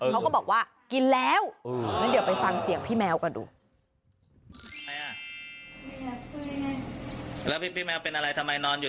เขาก็บอกว่ากินแล้วงั้นเดี๋ยวไปฟังเสียงพี่แมวก่อนดู